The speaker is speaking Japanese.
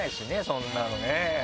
そんなのね。